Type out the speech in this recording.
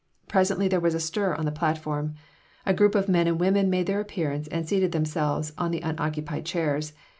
Presently there was a stir on the platform. A group of men and women made their appearance and seated themselves on the unoccupied chairs.